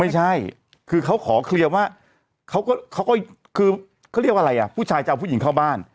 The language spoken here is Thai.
ไม่ใช่คือเขาขอเคลียร์ว่าเขาก็คือเขาเรียกว่าอะไรอ่ะผู้ชายจะเอาผู้หญิงเข้าบ้าน